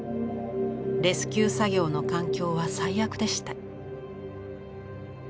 レスキュー作業の環境は最悪でした。